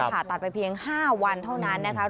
ผ่าตัดไปเพียง๕วันเท่านั้นนะครับ